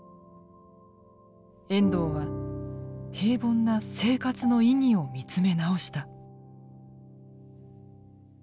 遠藤は平凡な「生活」の意義を見つめ直した。